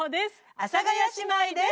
阿佐ヶ谷姉妹です。